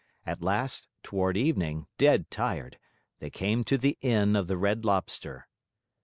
At last, toward evening, dead tired, they came to the Inn of the Red Lobster.